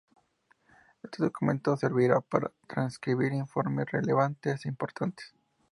Este documento servirá para transcribir informes relevantes e importantes.